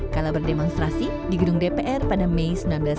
kala berdemonstrasi di gedung dpr pada mei seribu sembilan ratus sembilan puluh